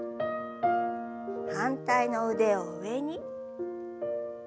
反対の腕を上に。